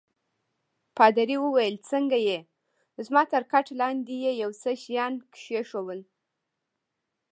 پادري وویل: څنګه يې؟ زما تر کټ لاندي يې یو څه شیان کښېښوول.